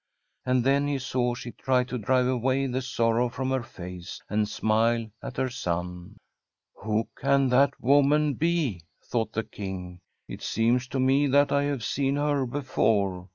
And then he saw she tried to drive away the sorrow fnxn her bee and smile al her son. ^ \Mk> can that woman be? ' thought the King. ^ It seems n> me that I have seen her before.